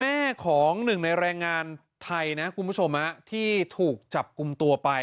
แม่ของหนึ่งในแรงงานไทยนะคุณผู้ชมที่ถูกจับกลุ่มตัวไป